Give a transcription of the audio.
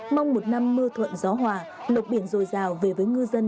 mong một năm mưa thuận gió hòa lộc biển dồi dào về với ngư dân